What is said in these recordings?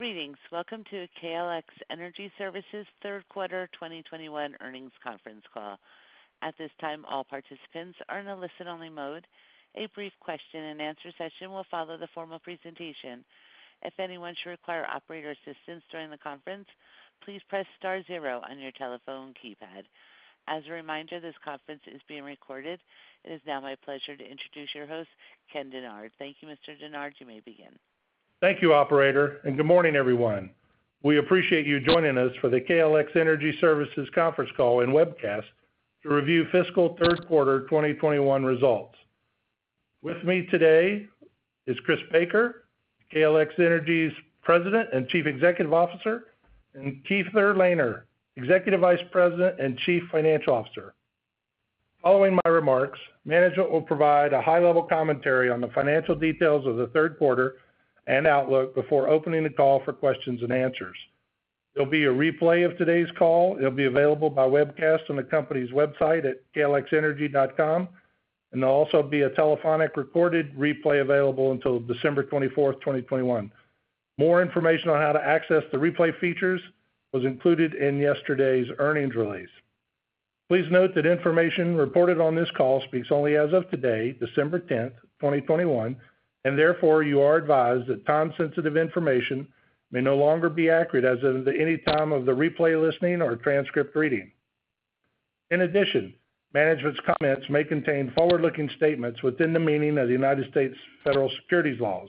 Greetings. Welcome to KLX Energy Services third quarter 2021 earnings conference call. At this time, all participants are in a listen-only mode. A brief question-and-answer session will follow the formal presentation. If anyone should require operator assistance during the conference, please press star zero on your telephone keypad. As a reminder, this conference is being recorded. It is now my pleasure to introduce your host, Ken Dennard. Thank you, Mr. Dennard. You may begin. Thank you, operator, and good morning, everyone. We appreciate you joining us for the KLX Energy Services conference call and webcast to review fiscal Q3 2021 results. With me today is Chris Baker, KLX Energy's President and Chief Executive Officer, and Keefer Lehner, Executive Vice President and Chief Financial Officer. Following my remarks, management will provide a high-level commentary on the financial details of the third quarter and outlook before opening the call for questions and answers. There'll be a replay of today's call. It'll be available by webcast on the company's website at klxenergy.com, and there'll also be a telephonic recorded replay available until December 24, 2021. More information on how to access the replay features was included in yesterday's earnings release. Please note that information reported on this call speaks only as of today, December 10, 2021, and therefore, you are advised that time-sensitive information may no longer be accurate as of any time of the replay listening or transcript reading. In addition, management's comments may contain forward-looking statements within the meaning of the United States federal securities laws.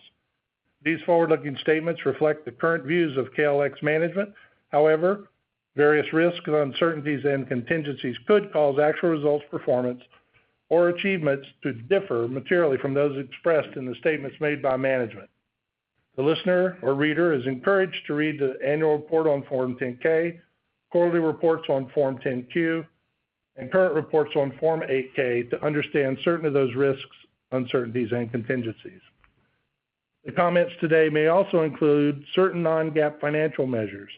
These forward-looking statements reflect the current views of KLX management. However, various risks, uncertainties, and contingencies could cause actual results, performance, or achievements to differ materially from those expressed in the statements made by management. The listener or reader is encouraged to read the annual report on Form 10-K, quarterly reports on Form 10-Q, and current reports on Form 8-K to understand certain of those risks, uncertainties, and contingencies. The comments today may also include certain non-GAAP financial measures.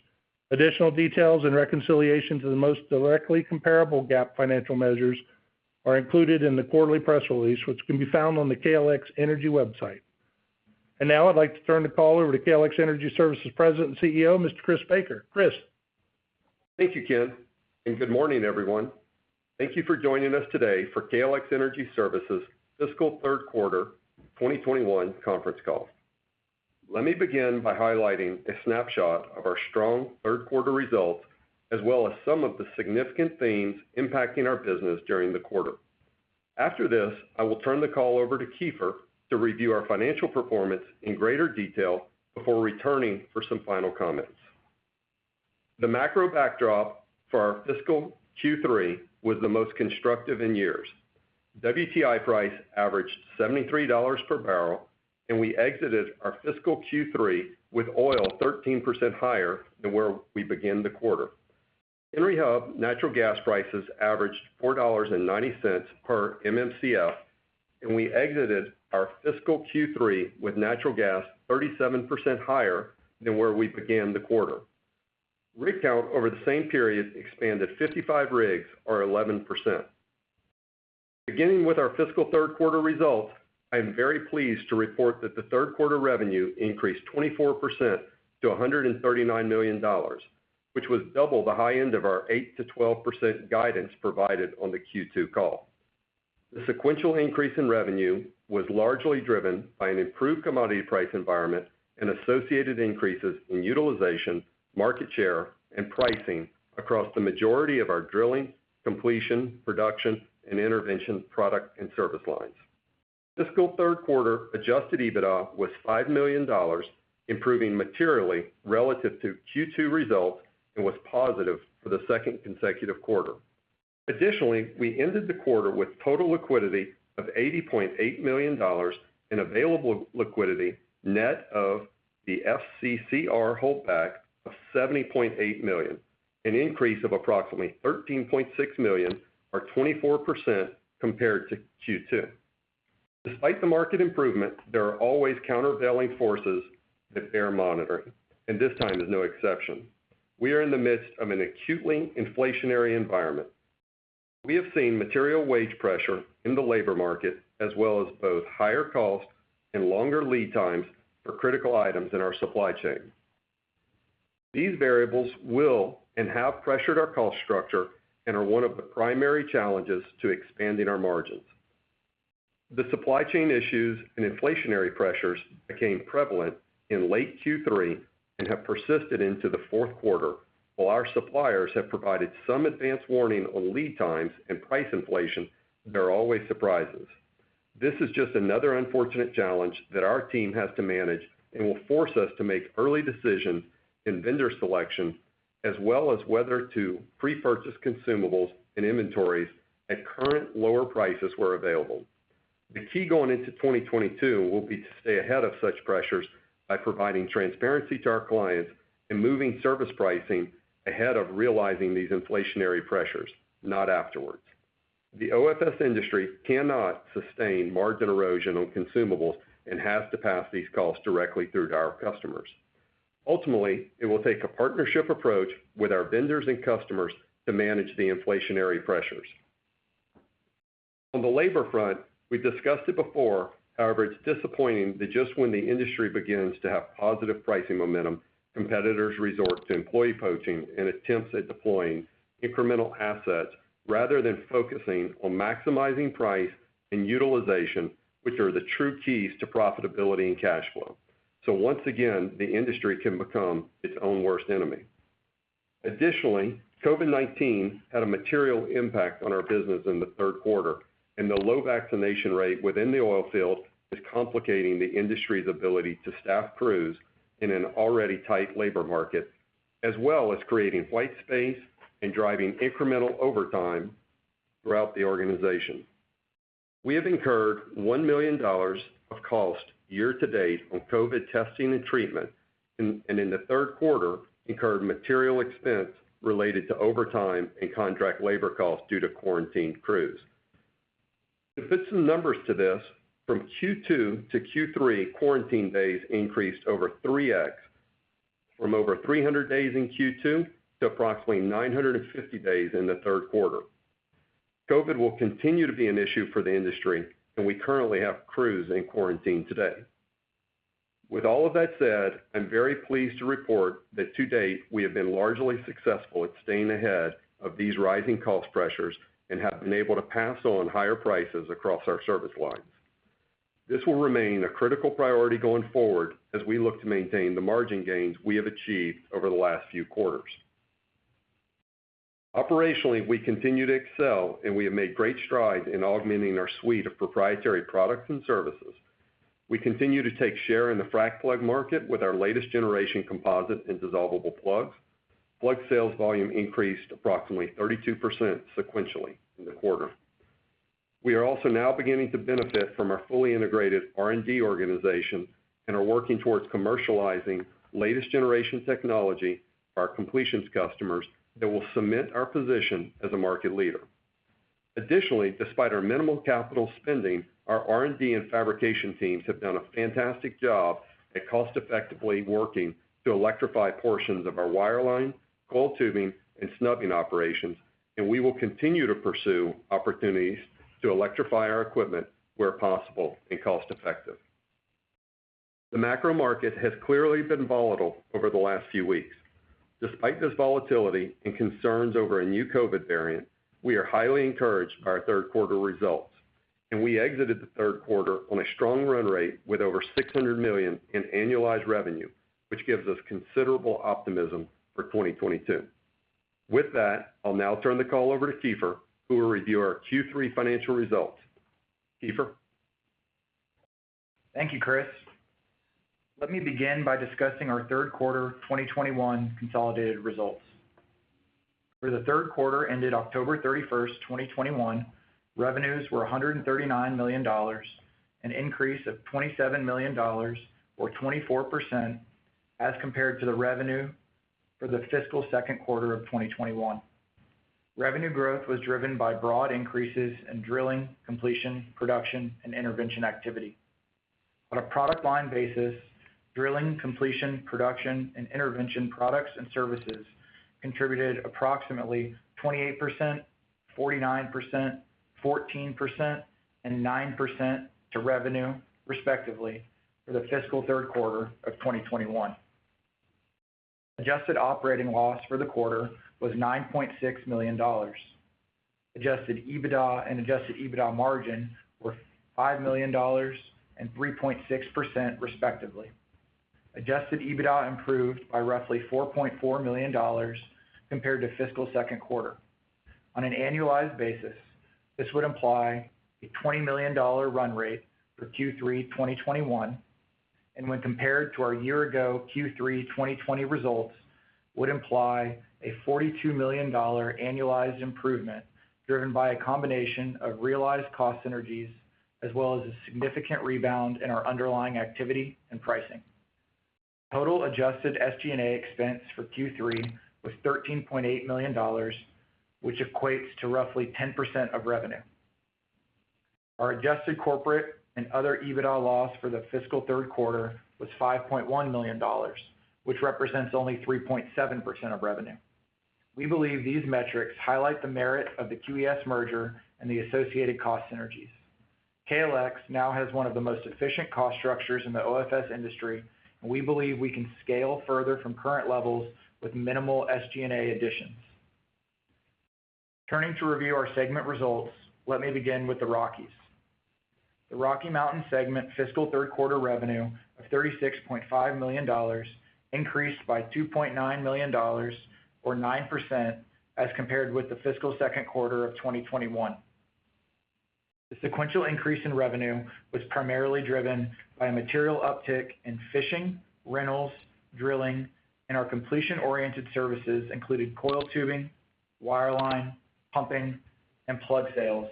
Additional details and reconciliations of the most directly comparable GAAP financial measures are included in the quarterly press release, which can be found on the KLX Energy website. Now I'd like to turn the call over to KLX Energy Services President and CEO, Mr. Chris Baker. Chris. Thank you, Ken, and good morning, everyone. Thank you for joining us today for KLX Energy Services' fiscal Q3 2021 conference call. Let me begin by highlighting a snapshot of our strong Q3 results, as well as some of the significant themes impacting our business during the quarter. After this, I will turn the call over to Keefer to review our financial performance in greater detail before returning for some final comments. The macro backdrop for our fiscal Q3 was the most constructive in years. WTI price averaged $73 per barrel, and we exited our fiscal Q3 with oil 13% higher than where we began the quarter. At Henry Hub, natural gas prices averaged $4.90 per MMBtu, and we exited our fiscal Q3 with natural gas 37% higher than where we began the quarter. Rig count over the same period expanded 55 rigs or 11%. Beginning with our fiscal third quarter results, I am very pleased to report that the Q3 revenue increased 24% to $139 million, which was double the high end of our 8%-12% guidance provided on the Q2 call. The sequential increase in revenue was largely driven by an improved commodity price environment and associated increases in utilization, market share, and pricing across the majority of our drilling, completion, production, and intervention product and service lines. Fiscal Q3 adjusted EBITDA was $5 million, improving materially relative to Q2 results and was positive for the second consecutive quarter. Additionally, we ended the quarter with total liquidity of $80.8 million in available liquidity, net of the FCCR holdback of $70.8 million, an increase of approximately $13.6 million or 24% compared to Q2. Despite the market improvements, there are always countervailing forces that bear monitoring, and this time is no exception. We are in the midst of an acutely inflationary environment. We have seen material wage pressure in the labor market, as well as both higher costs and longer lead times for critical items in our supply chain. These variables will and have pressured our cost structure and are one of the primary challenges to expanding our margins. The supply chain issues and inflationary pressures became prevalent in late Q3 and have persisted into the Q4. While our suppliers have provided some advance warning on lead times and price inflation, there are always surprises. This is just another unfortunate challenge that our team has to manage and will force us to make early decisions in vendor selection, as well as whether to pre-purchase consumables and inventories at current lower prices where available. The key going into 2022 will be to stay ahead of such pressures by providing transparency to our clients and moving service pricing ahead of realizing these inflationary pressures, not afterwards. The OFS industry cannot sustain margin erosion on consumables and has to pass these costs directly through to our customers. Ultimately, it will take a partnership approach with our vendors and customers to manage the inflationary pressures. On the labor front, we discussed it before. However, it's disappointing that just when the industry begins to have positive pricing momentum, competitors resort to employee poaching and attempts at deploying incremental assets rather than focusing on maximizing price and utilization, which are the true keys to profitability and cash flow. So once again, the industry can become its own worst enemy. Additionally, COVID-19 had a material impact on our business in the Q3, and the low vaccination rate within the oil field is complicating the industry's ability to staff crews in an already tight labor market, as well as creating white space and driving incremental overtime throughout the organization. We have incurred $1 million of cost year-to-date on COVID testing and treatment, and in the Q3, incurred material expense related to overtime and contract labor costs due to quarantined crews. To put some numbers to this, from Q2-Q3, quarantine days increased over 3x, from over 300 days in Q2 to approximately 950 days in the Q3. COVID will continue to be an issue for the industry, and we currently have crews in quarantine today. With all of that said, I'm very pleased to report that to date, we have been largely successful at staying ahead of these rising cost pressures and have been able to pass on higher prices across our service lines. This will remain a critical priority going forward as we look to maintain the margin gains we have achieved over the last few quarters. Operationally, we continue to excel and we have made great strides in augmenting our suite of proprietary products and services. We continue to take share in the frac plug market with our latest generation composite and dissolvable plugs. Plug sales volume increased approximately 32% sequentially in the quarter. We are also now beginning to benefit from our fully integrated R&D organization and are working towards commercializing latest generation technology for our completions customers that will cement our position as a market leader. Additionally, despite our minimal capital spending, our R&D and fabrication teams have done a fantastic job at cost effectively working to electrify portions of our wireline, coiled tubing, and snubbing operations. We will continue to pursue opportunities to electrify our equipment where possible and cost effective. The macro market has clearly been volatile over the last few weeks. Despite this volatility and concerns over a new COVID variant, we are highly encouraged by our Q3 results. We exited the Q3 on a strong run rate with over $600 million in annualized revenue, which gives us considerable optimism for 2022. With that, I'll now turn the call over to Keefer, who will review our Q3 financial results. Keefer? Thank you, Chris. Let me begin by discussing our Q3 2021 consolidated results. For the Q3 ended October 31, 2021, revenues were $139 million, an increase of $27 million or 24% as compared to the revenue for the fiscal second quarter of 2021. Revenue growth was driven by broad increases in drilling, completion, production, and intervention activity. On a product line basis, drilling, completion, production, and intervention products and services contributed approximately 28%, 49%, 14%, and 9% to revenue, respectively, for the fiscal Q3 of 2021. Adjusted operating loss for the quarter was $9.6 million. Adjusted EBITDA and adjusted EBITDA margin were $5 million and 3.6%, respectively. Adjusted EBITDA improved by roughly $4.4 million compared to fiscal second quarter. On an annualized basis, this would imply a $20 million run rate for Q3 2021, and when compared to our year-ago Q3 2020 results, would imply a $42 million annualized improvement driven by a combination of realized cost synergies as well as a significant rebound in our underlying activity and pricing. Total adjusted SG&A expense for Q3 was $13.8 million, which equates to roughly 10% of revenue. Our adjusted corporate and other EBITDA loss for the fiscal Q3 was $5.1 million, which represents only 3.7% of revenue. We believe these metrics highlight the merit of the QES merger and the associated cost synergies. KLX now has one of the most efficient cost structures in the OFS industry, and we believe we can scale further from current levels with minimal SG&A additions. Turning to review our segment results, let me begin with the Rockies. The Rocky Mountain segment fiscal Q3 revenue of $36.5 million increased by $2.9 million or 9% as compared with the fiscal Q2 of 2021. The sequential increase in revenue was primarily driven by a material uptick in fishing, rentals, drilling, and our completion-oriented services, including coiled tubing, wireline, pumping, and plug sales,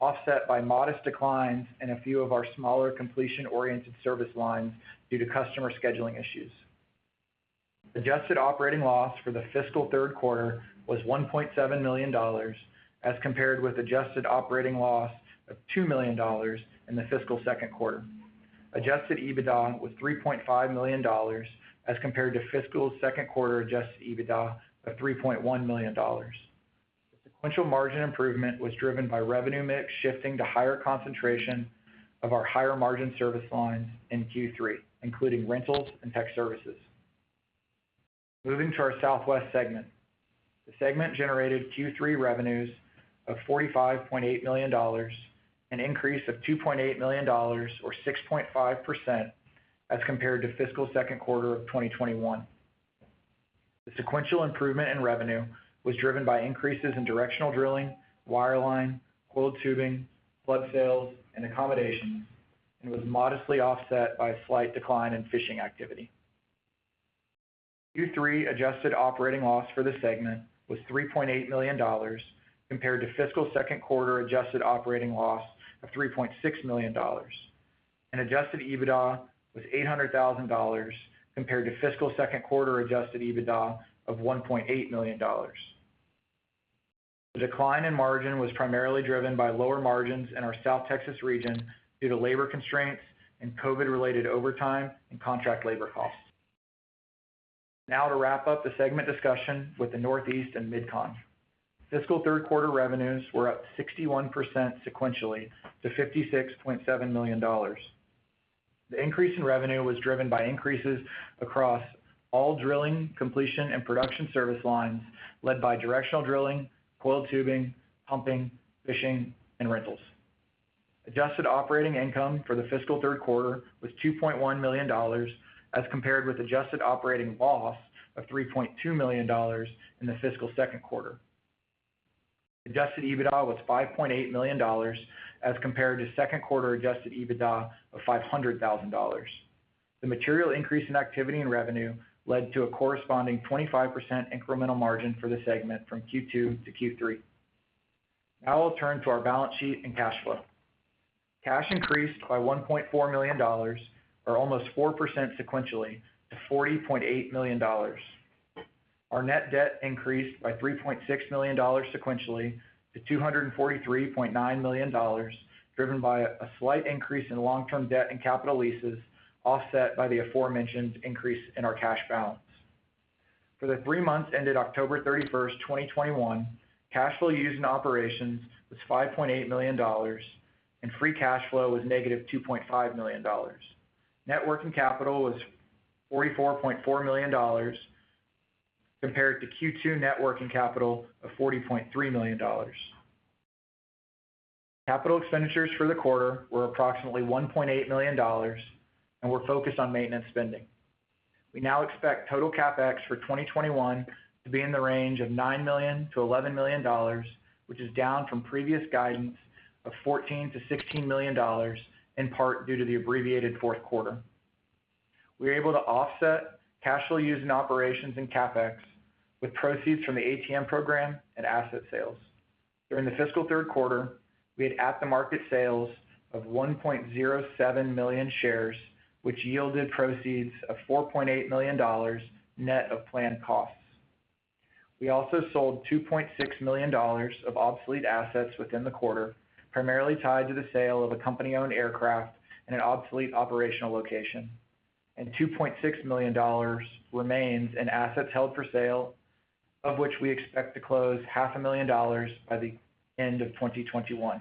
offset by modest declines in a few of our smaller completion-oriented service lines due to customer scheduling issues. Adjusted operating loss for the fiscal Q3 was $1.7 million, as compared with adjusted operating loss of $2 million in the fiscal Q2. Adjusted EBITDA was $3.5 million as compared to fiscal's Q2 adjusted EBITDA of $3.1 million. The sequential margin improvement was driven by revenue mix shifting to higher concentration of our higher margin service lines in Q3, including rentals and tech services. Moving to our Southwest segment. The segment generated Q3 revenues of $45.8 million, an increase of $2.8 million or 6.5% as compared to fiscal Q2 of 2021. The sequential improvement in revenue was driven by increases in directional drilling, wireline, coiled tubing, plug sales, and accommodations, and was modestly offset by a slight decline in fishing activity. Q3 adjusted operating loss for the segment was $3.8 million compared to fiscal Q2 adjusted operating loss of $3.6 million. Adjusted EBITDA was $800 thousand compared to fiscal second quarter adjusted EBITDA of $1.8 million. The decline in margin was primarily driven by lower margins in our South Texas region due to labor constraints and COVID-related overtime and contract labor costs. Now to wrap up the segment discussion with the Northeast and Mid-Con. Fiscal Q3 revenues were up 61% sequentially to $56.7 million. The increase in revenue was driven by increases across all drilling, completion, and production service lines, led by directional drilling, coiled tubing, pumping, fishing, and rentals. Adjusted operating income for the fiscal Q3 was $2.1 million, as compared with adjusted operating loss of $3.2 million in the fiscal Q2. Adjusted EBITDA was $5.8 million as compared to Q2 adjusted EBITDA of $500,000. The material increase in activity and revenue led to a corresponding 25% incremental margin for the segment from Q2-Q3. Now I'll turn to our balance sheet and cash flow. Cash increased by $1.4 million or almost 4% sequentially to $40.8 million. Our net debt increased by $3.6 million sequentially to $243.9 million, driven by a slight increase in long-term debt and capital leases, offset by the aforementioned increase in our cash balance. For the three months ended October 31, 2021, cash flow used in operations was $5.8 million and free cash flow was negative $2.5 million. Net working capital was $44.4 million compared to Q2 net working capital of $40.3 million. Capital expenditures for the quarter were approximately $1.8 million and were focused on maintenance spending. We now expect total CapEx for 2021 to be in the range of $9 million-$11 million, which is down from previous guidance of $14 million-$16 million, in part due to the abbreviated Q4. We were able to offset cash flow used in operations and CapEx with proceeds from the ATM program and asset sales. During the fiscal Q3, we had at-the-market sales of 1.07 million shares, which yielded proceeds of $4.8 million net of planned costs. We also sold $2.6 million of obsolete assets within the quarter, primarily tied to the sale of a company-owned aircraft in an obsolete operational location. $2.6 million remains in assets held for sale, of which we expect to close half a million dollars by the end of 2021.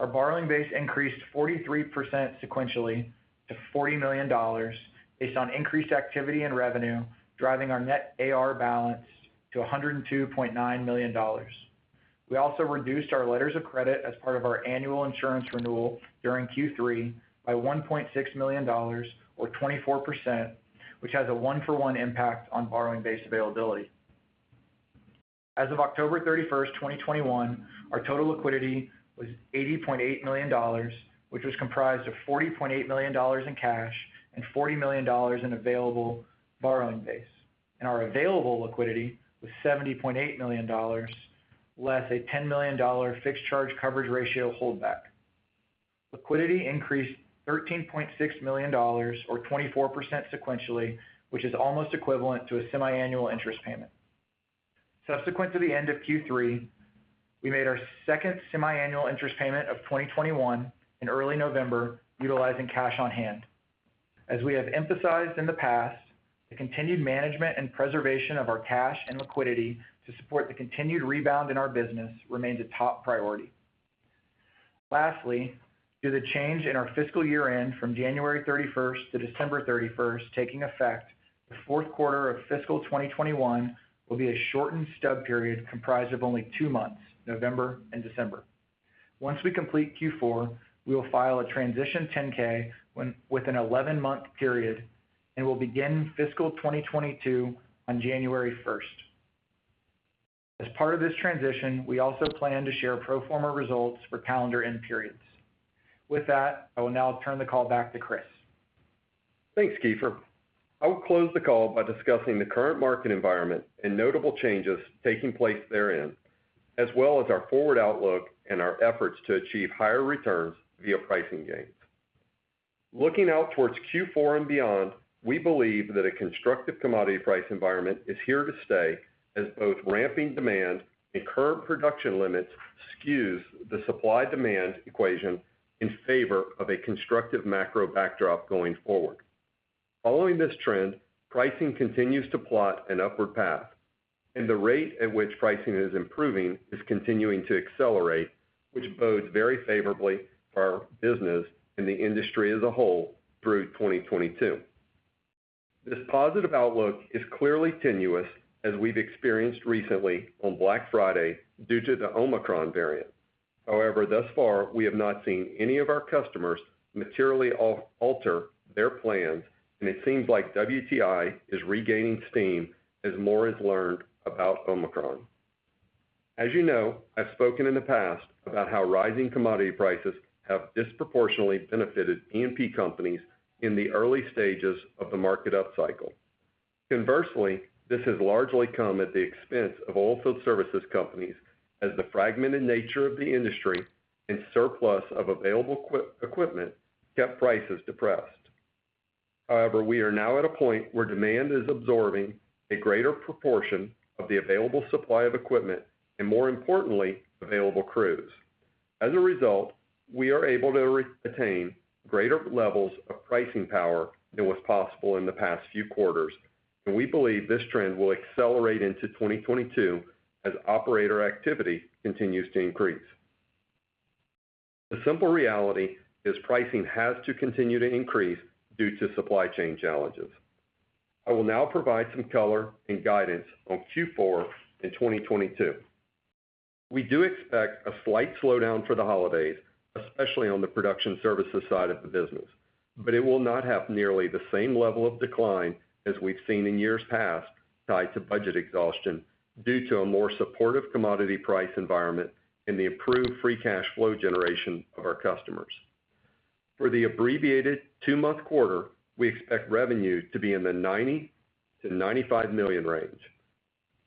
Our borrowing base increased 43% sequentially to $40 million based on increased activity and revenue, driving our net AR balance to $102.9 million. We also reduced our letters of credit as part of our annual insurance renewal during Q3 by $1.6 million or 24%, which has a one-for-one impact on borrowing base availability. As of October 31, 2021, our total liquidity was $80.8 million, which was comprised of $40.8 million in cash and $40 million in available borrowing base. Our available liquidity was $70.8 million less a $10 million fixed charge coverage ratio holdback. Liquidity increased $13.6 million or 24% sequentially, which is almost equivalent to a semiannual interest payment. Subsequent to the end of Q3, we made our second semi-annual interest payment of 2021 in early November, utilizing cash on hand. As we have emphasized in the past, the continued management and preservation of our cash and liquidity to support the continued rebound in our business remains a top priority. Lastly, due to change in our fiscal year-end from January 31-December 31 taking effect, the Q4 of fiscal 2021 will be a shortened stub period comprised of only two months, November and December. Once we complete Q4, we will file a transition 10-K with an 11-month period and will begin fiscal 2022 on January 1. As part of this transition, we also plan to share pro forma results for calendar end periods. With that, I will now turn the call back to Chris. Thanks, Keefer. I will close the call by discussing the current market environment and notable changes taking place therein, as well as our forward outlook and our efforts to achieve higher returns via pricing gains. Looking out towards Q4 and beyond, we believe that a constructive commodity price environment is here to stay as both ramping demand and current production limits skews the supply demand equation in favor of a constructive macro backdrop going forward. Following this trend, pricing continues to plot an upward path, and the rate at which pricing is improving is continuing to accelerate, which bodes very favorably for our business and the industry as a whole through 2022. This positive outlook is clearly tenuous, as we've experienced recently on Black Friday due to the Omicron variant. However, thus far, we have not seen any of our customers materially alter their plans, and it seems like WTI is regaining steam as more is learned about Omicron. As you know, I've spoken in the past about how rising commodity prices have disproportionately benefited E&P companies in the early stages of the market upcycle. Conversely, this has largely come at the expense of oilfield services companies as the fragmented nature of the industry and surplus of available equipment kept prices depressed. However, we are now at a point where demand is absorbing a greater proportion of the available supply of equipment and, more importantly, available crews. As a result, we are able to retain greater levels of pricing power than was possible in the past few quarters, and we believe this trend will accelerate into 2022 as operator activity continues to increase. The simple reality is pricing has to continue to increase due to supply chain challenges. I will now provide some color and guidance on Q4 in 2022. We do expect a slight slowdown for the holidays, especially on the production services side of the business, but it will not have nearly the same level of decline as we've seen in years past tied to budget exhaustion due to a more supportive commodity price environment and the improved free cash flow generation of our customers. For the abbreviated two-month quarter, we expect revenue to be in the $90 million-$95 million range.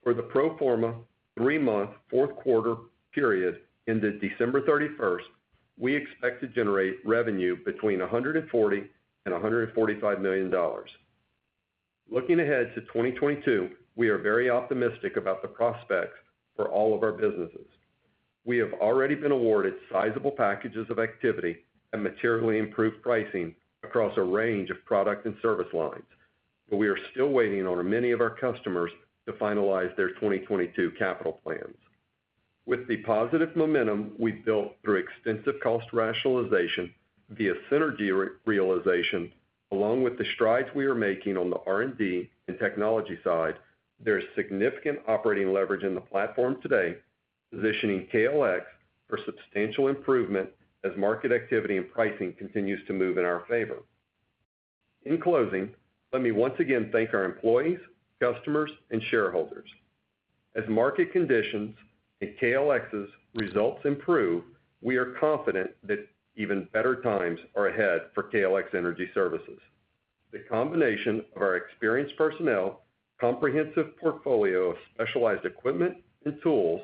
For the pro forma three-month Q4 period ended December 31, we expect to generate revenue between $140 million and $145 million. Looking ahead to 2022, we are very optimistic about the prospects for all of our businesses. We have already been awarded sizable packages of activity and materially improved pricing across a range of product and service lines, but we are still waiting on many of our customers to finalize their 2022 capital plans. With the positive momentum we've built through extensive cost rationalization via synergy re-realization, along with the strides we are making on the R&D and technology side, there's significant operating leverage in the platform today, positioning KLX for substantial improvement as market activity and pricing continues to move in our favor. In closing, let me once again thank our employees, customers, and shareholders. As market conditions and KLX's results improve, we are confident that even better times are ahead for KLX Energy Services. The combination of our experienced personnel, comprehensive portfolio of specialized equipment and tools,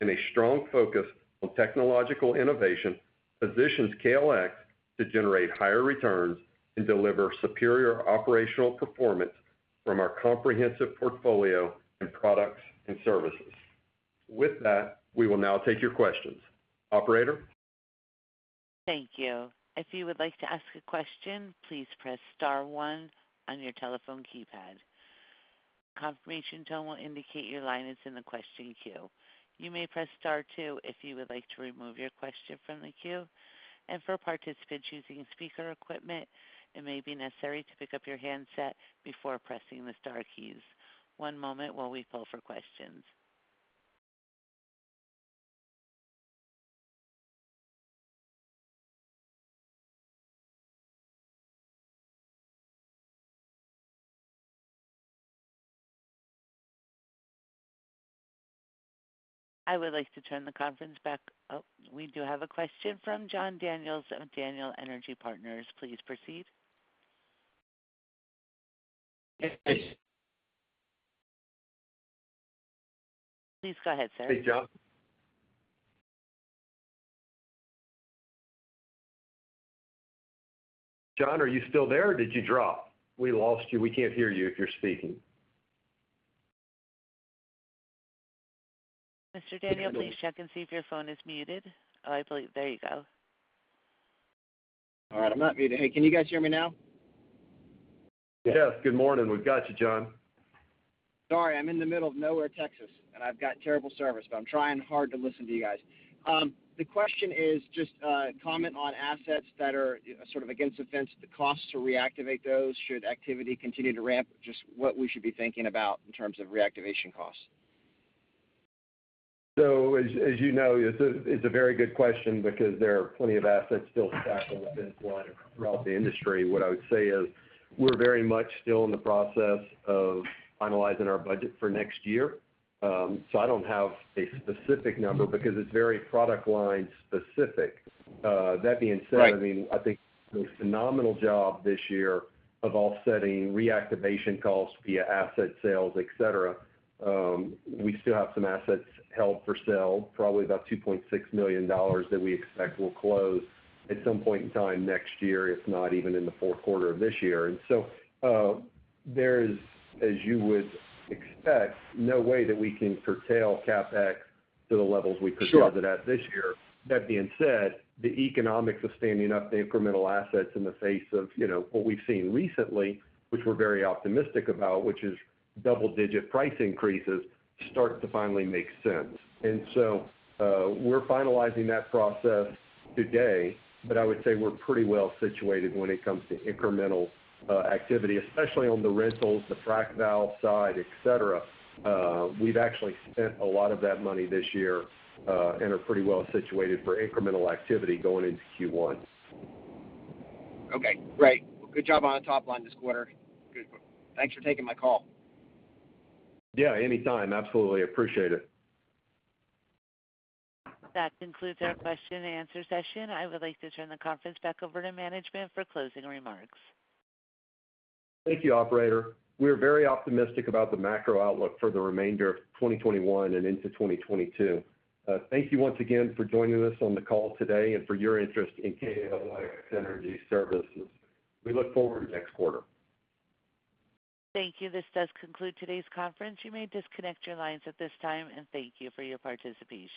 and a strong focus on technological innovation positions KLX to generate higher returns and deliver superior operational performance from our comprehensive portfolio and products and services. With that, we will now take your questions. Operator? Thank you. If you would like to ask a question, please press star one on your telephone keypad. You may press star two, if you would like to remove the question from the queue. Oh, we do have a question from John Daniel of Daniel Energy Partners. Please proceed. Yes, please. Please go ahead, sir. Hey, John. John, are you still there or did you drop? We lost you. We can't hear you if you're speaking. Mr. Daniel, please check and see if your phone is muted. I believe. There you go. All right. I'm not muted. Hey, can you guys hear me now? Yes. Good morning. We've got you, John. Sorry. I'm in the middle of nowhere, Texas, and I've got terrible service, but I'm trying hard to listen to you guys. The question is just comment on assets that are sort of on the fence, the cost to reactivate those should activity continue to ramp, just what we should be thinking about in terms of reactivation costs. As you know, it's a very good question because there are plenty of assets still stacked on the fence line throughout the industry. What I would say is we're very much still in the process of finalizing our budget for next year. I don't have a specific number because it's very product line specific. That being said- Right. I mean, I think we did a phenomenal job this year of offsetting reactivation costs via asset sales, et cetera. We still have some assets held for sale, probably about $2.6 million that we expect will close at some point in time next year, if not even in the Q4 of this year. There is, as you would expect, no way that we can curtail CapEx to the levels we projected. Sure. ...at this year. That being said, the economics of standing up the incremental assets in the face of, you know, what we've seen recently, which we're very optimistic about, which is double-digit price increases, starts to finally make sense. And so we're finalizing that process today, but I would say we're pretty well situated when it comes to incremental activity, especially on the rentals, the frac valve side, et cetera. We've actually spent a lot of that money this year, and are pretty well situated for incremental activity going into Q1. Okay, great. Well, good job on top line this quarter. Thanks for taking my call. Yeah, anytime. Absolutely. Appreciate it. That concludes our question and answer session. I would like to turn the conference back over to management for closing remarks. Thank you, Operator. We're very optimistic about the macro outlook for the remainder of 2021 and into 2022. Thank you once again for joining us on the call today and for your interest in KLX Energy Services. We look forward to next quarter. Thank you. This does conclude today's conference. You may disconnect your lines at this time, and thank you for your participation.